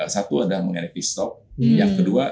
satu ada mengenai p stock yang kedua